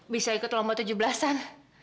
bisa ikut lomba tujuh belasan